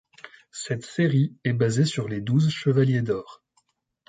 Cette série est basée sur les douze chevaliers d'or.